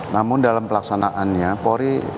namun dalam pelaksanaannya polri